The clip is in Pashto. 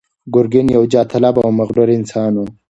ګرګين يو جاه طلبه او مغرور انسان و.